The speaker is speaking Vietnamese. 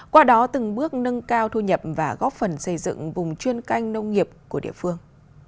qua đó từng bước nâng cao thu nhập và góp phần xây dựng vùng chuyên canh nông nghiệp của địa phương